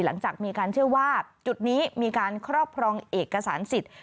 หลังจากมีการเชื่อว่าจุดนี้มีการครอบครองเอกสารสิทธิ์